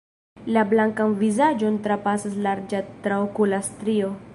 La blankan vizaĝon trapasas larĝa traokula strio.